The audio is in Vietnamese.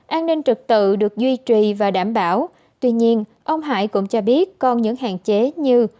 an ninh trực tự được duy trì và đảm bảo tuy nhiên ông hải cũng cho biết còn những hạn chế như